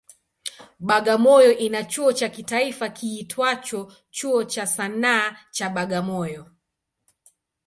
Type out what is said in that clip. Bagamoyo ina chuo cha kitaifa kiitwacho Chuo cha Sanaa cha Bagamoyo.